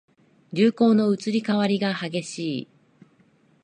流行の移り変わりが激しい